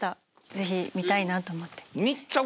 ぜひ見たいなと思って。